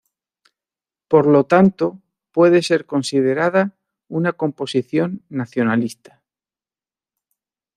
Por lo tanto puede ser considerada una composición nacionalista.